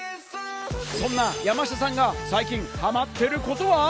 そんな山下さんが最近ハマっていることは？